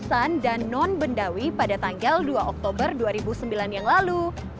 kesan dan non bendawi pada tanggal dua oktober dua ribu sembilan yang lalu